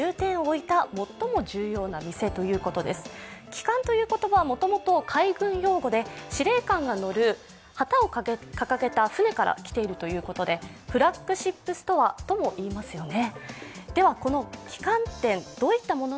旗艦という言葉はもともと海軍用語で司令官が乗る旗を掲げた船からきているということで、フラッグシップストアとも言いますよね。